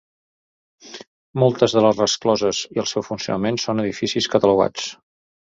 Moltes de les rescloses i el seu funcionament són edificis catalogats.